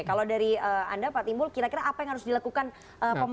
kalau dari anda pak timbul kira kira apa yang harus dilakukan pemerintah